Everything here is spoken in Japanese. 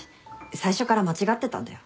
最初から間違ってたんだよ